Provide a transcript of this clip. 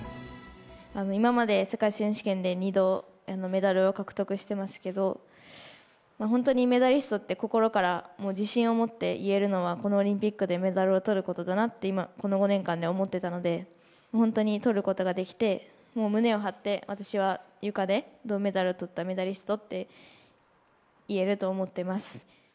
今まで世界選手権で、２度メダルを獲得してますけど、本当にメダリストって、心から自信を持って言えるのは、このオリンピックでメダルをとることだなって、今、この５年間で思っていたので、本当にとることができて、もう胸を張って、私はゆかで銅メダルをとったメダリストって言えると思ってます。